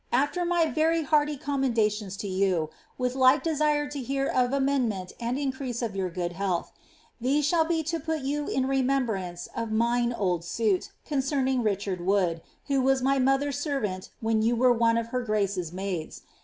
* Afier my very hearty commendations to you, with like desire lo hear uf the atnendinent and increase of your good hoaltb, tlieso shall be to put you in re membrance of miiio old tiuit concerning Richard Wofjd, who was my mother*! •ervHnt wlien you wert one of her grant maidt.